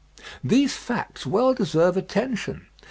These facts well deserve attention.